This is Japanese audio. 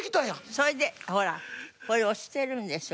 それでほらこれを捨てるんですよ